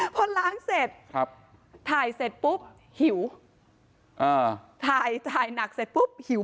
พอล้างเสร็จถ่ายเสร็จปุ๊บหิว